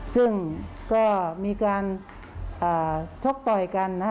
ซึ่งก็มีการชกต่อยกันนะฮะ